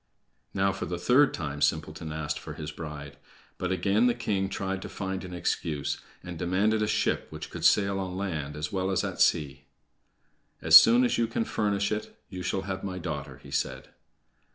Now, for the third time, Simpleton asked for his bride. But again the king tried to find an excuse, and demanded a ship which could sail on land as well as at sea. "As soon as you can furnish it, you shall have my daughter," he said.